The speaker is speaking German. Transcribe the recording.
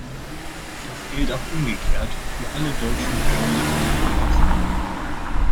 Das gilt auch umgekehrt für alle deutschen Beschuldigten im Ausland.